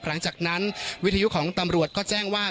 หลังจากนั้นวิทยุของตำรวจก็แจ้งว่า